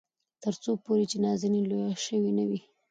تر څو پورې چې نازنين لويه شوې نه وي.